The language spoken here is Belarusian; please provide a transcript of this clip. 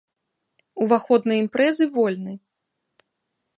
Уваход на імпрэзы вольны.